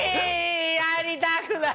やりたくない！